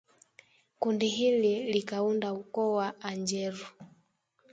Kundi hili likaunda ukoo wa Anjeru